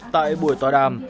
tại buổi tòa đàm